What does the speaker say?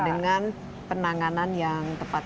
dengan penanganan yang tepat